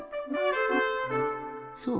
そう。